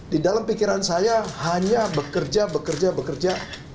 di dalam pikiran saya hanya bekerja bekerja bekerja bekerja